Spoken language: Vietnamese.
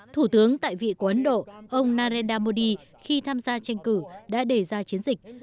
thủ tướng tại vị của ấn độ ông narendra modi khi tham gia tranh cử đã đề ra chiến dịch